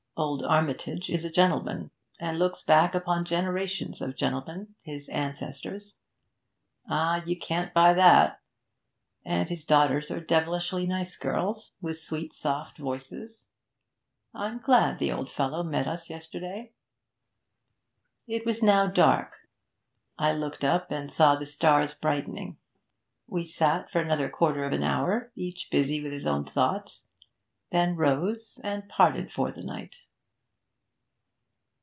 Old Armitage is a gentleman, and looks back upon generations of gentlemen, his ancestors. Ah! you can't buy that! And his daughters are devilish nice girls, with sweet soft voices. I'm glad the old fellow met us yesterday.' It was now dark; I looked up and saw the stars brightening. We sat for another quarter of an hour, each busy with his own thoughts, then rose and parted for the night.